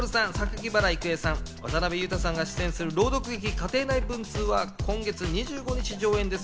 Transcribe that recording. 渡辺徹さん、榊原郁恵さん、渡辺裕太さんが出演する朗読劇『家庭内文通』は今月２５日、上演です。